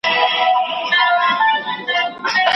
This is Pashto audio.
له غوسې ځان وساته چي خبرې دي تريخې نه سي او خلک ونه ځوريږي .